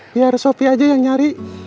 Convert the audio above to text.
biar sopi aja yang nyari